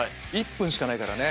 １分しかないからね。